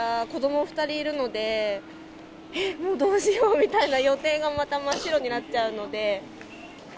もうどうしようみたいな、予定がまた真っ白になっちゃうので。